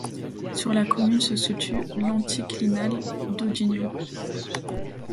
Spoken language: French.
Sur la commune se situe l'anticlinal d'Audignon.